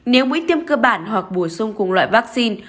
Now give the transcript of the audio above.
nếu mũi tiêm cơ bản hoặc bổ sung cùng loại vaccine